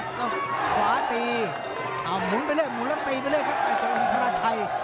เอ้าขวาตีอ้าวหมุนไปเรื่อยหมุนแล้วตีไปเรื่อยครับไอ้เจ้าอินทราชัย